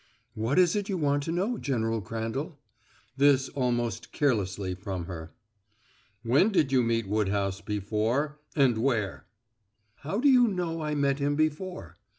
"What is it you want to know, General Crandall?" This almost carelessly from her. "When did you meet Woodhouse before and where?" "How do you know I met him before?"